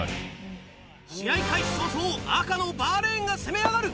早々赤のバーレーンが攻め上がる。